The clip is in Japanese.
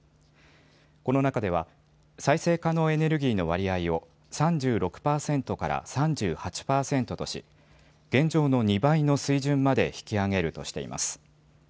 この中では再生可能エネルギーの割合を３６％から３８％とし現状の２倍の水準まで引き上げるとしています。